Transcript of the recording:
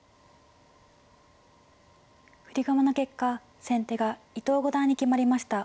振り駒の結果先手が伊藤五段に決まりました。